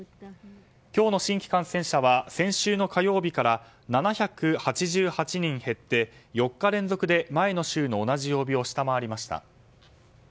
今日の新規感染者は先週の火曜日から７８８人減って４日連続で前の週の同じ曜日を下回りました。